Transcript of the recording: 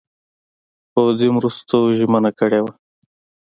پوځي مرستو ژمنه کړې وه.